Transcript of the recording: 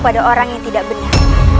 pada orang yang tidak benar